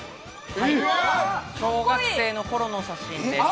小学生の頃の写真です。